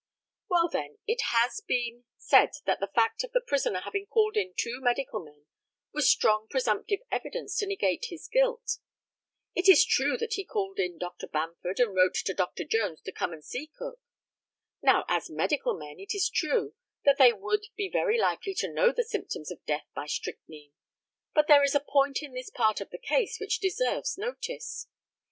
Well, then, it has been said that the fact of the prisoner having called in two medical men, was strong presumptive evidence to negate his guilt. It is true that he called in Dr. Bamford, and wrote to Dr. Jones to come and see Cook. Now, as medical men, it is true, that they would be very likely to know the symptoms of death by strychnine. But there is a point in this part of the case which deserves notice.